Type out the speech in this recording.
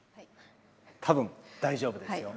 多分大丈夫ですよ。